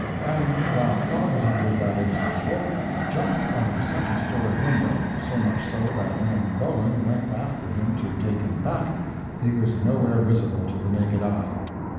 and while closeted with that individual, jumped out of a second story window—so much so that when Bowen went after him to take him back, he was nowhere visible to the naked eye.